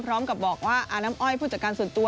พร้อมกับบอกว่าอาน้ำอ้อยผู้จัดการส่วนตัว